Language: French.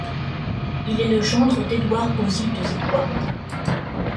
Il est le gendre d'Edward Osy de Zegwaart.